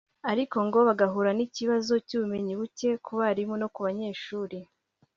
ariko ngo bagahura n’ikibazo cy’ubumenyi buke ku barimu no ku banyeshuri